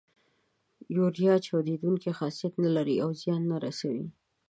یوریا چاودیدونکی خاصیت نه لري او زیان نه رسوي.